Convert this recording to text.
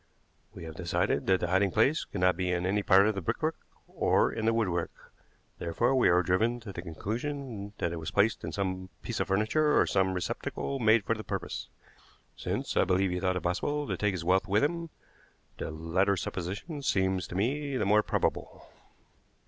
We have decided that the hiding place could not be in any part of the brickwork or in the woodwork, therefore we are driven to the conclusion that it was placed in some piece of furniture or some receptacle made for the purpose. Since I believe he thought it possible to take his wealth with him, the latter supposition seems to me the more probable."